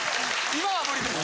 今は無理です。